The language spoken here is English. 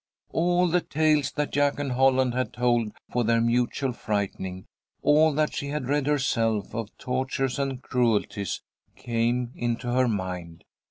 All the tales that Jack and Holland had told for their mutual frightening, all that she had read herself of tortures and cruelties came into her mind.